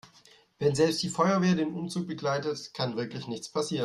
Wenn selbst die Feuerwehr den Umzug begleitet, kann wirklich nichts passieren.